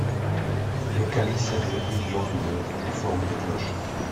Le calice est velu-glanduleux en forme de cloche.